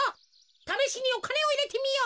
ためしにおかねをいれてみよう。